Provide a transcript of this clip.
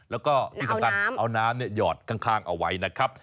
แล้วก็ที่สำคัญเอาน้ำหยอดข้างเอาไว้นะครับ